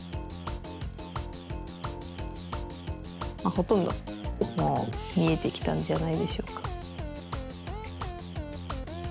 ほとんどもうみえてきたんじゃないでしょうか？